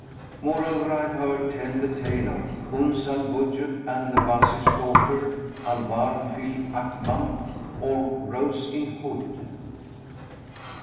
Moreover I have heard tell the tale of UNS AL WUJUD AND THE WAZIR'S DAUGHTER AL WARD FI'L AKMAM OR ROSE IN HOOD.